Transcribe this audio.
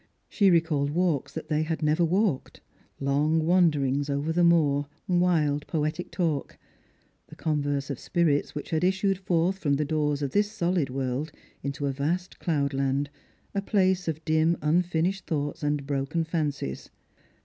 She recalled walks that they had never walked, long wanderings over the moor ; wild poetic talk ; the converse of spirits which had issued forth from the doors of this solid world into a vast cloudland, a place of dim unfinished thoughts and broken fancies.